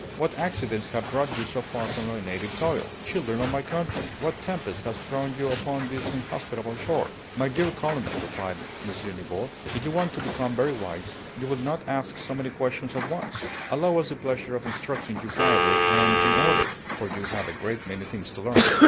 What accidents have brought you so far from our native soil? Children of my country, what tempest has thrown you upon this inhospitable shore?" "My dear colonel," replied M. Nibor, "if you want to become very wise, you will not ask so many questions at once. Allow us the pleasure of instructing you quietly and in order, for you have a great many things to learn."